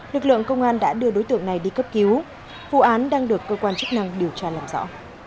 lực lượng công an đã đưa đối tượng này đi cấp cứu vụ án đang được cơ quan chức năng điều tra làm rõ